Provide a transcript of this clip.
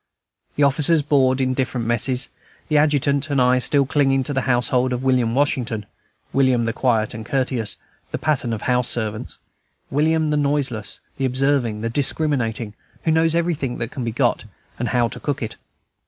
The officers board in different messes, the adjutant and I still clinging to the household of William Washington, William the quiet and the courteous, the pattern of house servants, William the noiseless, the observing, the discriminating, who knows everything that can be got, and how to cook it.